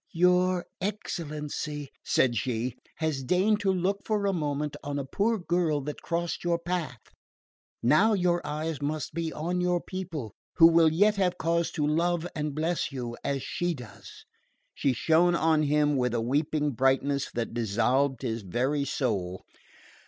"Your excellency," said she, "has deigned to look for a moment on a poor girl that crossed your path. Now your eyes must be on your people, who will yet have cause to love and bless you as she does." She shone on him with a weeping brightness that dissolved his very soul.